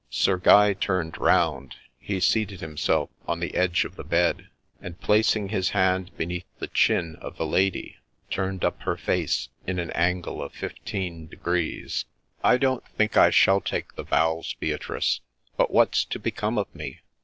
Sir Guy turned round, — he seated himself on the edge of the bed ; and, placing his hand beneath the chin of the lady, turned up her face in an angle of fifteen degrees. o 3 170 THE LADY ROHESIA ' I don't think I shall take the vows, Beatrice ; but what 's to become of me